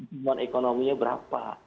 pertumbuhan ekonominya berapa